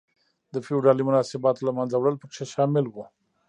د فیوډالي مناسباتو له منځه وړل پکې شامل و.